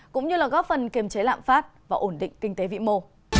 cũng như là góp phần kiềm chế lạm phát và ổn định kinh tế vị mồ